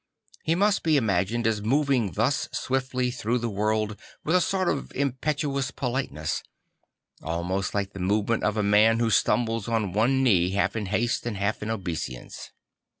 He Inust be imagined as moving thus swiftly through the world \vith a sort of impetuous politeness; almost like the movement of a man who stumbles on one knee half in haste and half in obeisance.